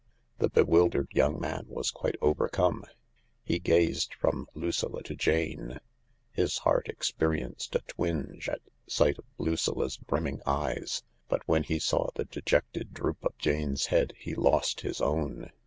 The bewildered young man was quite overcome. He gazed from Lucilla to Jane ; his heart experienced a twinge at sight of Lucilla 's brimming eyes, but when he saw the dejected droop of Jane's head he lost his own.